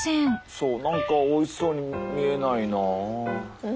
そう何かおいしそうに見えないな。